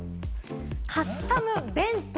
カスタム弁当。